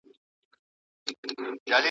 لاس مې تر عرشه پورې نه رسيږي